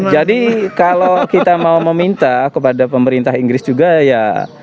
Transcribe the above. jadi kalau kita mau meminta kepada pemerintah inggris juga ya